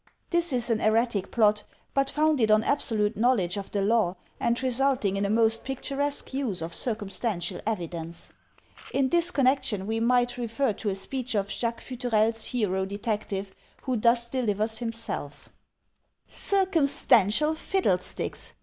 This is an erratic plot, but founded on absolute knowledge of the law, and resulting in a most picturesque use of cir cumstantial evidence. In this connection we might refer to a speech of Jacques Futrelle's hero detective who thus delivers himself: "Circumstantial fiddlesticks!"